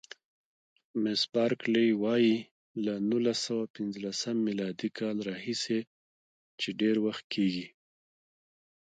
مس بارکلي: له نولس سوه پنځلسم میلادي کال راهیسې چې ډېر وخت کېږي.